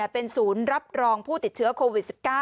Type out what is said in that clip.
เป็นศูนย์รับรองผู้ติดเชื้อโควิด๑๙